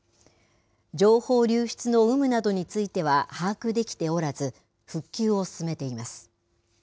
情報流出の有無などについては把握できておらず、復旧を進めています。